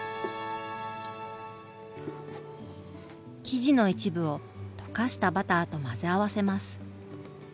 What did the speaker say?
生地の一部を溶かしたバターと混ぜ合わせます。